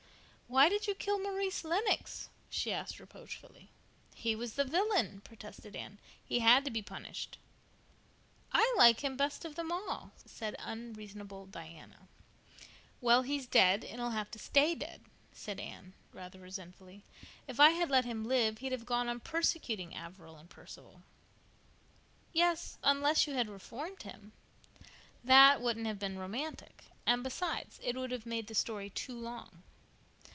"Why did you kill Maurice Lennox?" she asked reproachfully. "He was the villain," protested Anne. "He had to be punished." "I like him best of them all," said unreasonable Diana. "Well, he's dead, and he'll have to stay dead," said Anne, rather resentfully. "If I had let him live he'd have gone on persecuting Averil and Perceval." "Yes—unless you had reformed him." "That wouldn't have been romantic, and, besides, it would have made the story too long."